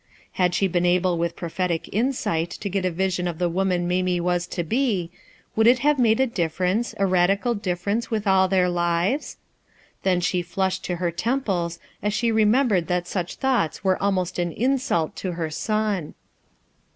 Had she been able with pro phetic insight to get a vision of the woman Mamie was to be, would it have made a differ ence, a radical difference with all their lives? Then she flushed to her temples as she remem bered that such thoughts were almost an insult to her son.